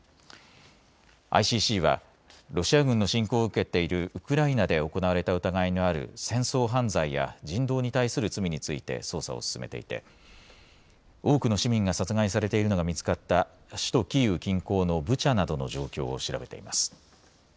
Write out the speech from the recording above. ＩＣＣはロシア軍の侵攻を受けているウクライナで行われた疑いのある戦争犯罪や人道に対する罪について捜査を進めていて多くの市民が殺害されているのが見つかった首都キーウ近郊のブチャなどの状況を調べています。